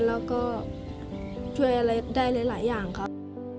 แล้วก็ช่วยอะไรได้หลายอย่างครับ